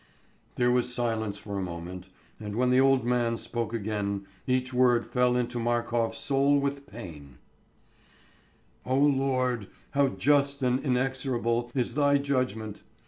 '" There was silence for a moment, and when the old man spoke again each word fell into Markof's soul with pain: "O Lord, how just and inexorable is Thy judgment!